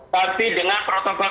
tapi dengan protokol